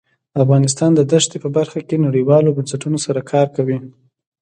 افغانستان د دښتې په برخه کې نړیوالو بنسټونو سره کار کوي.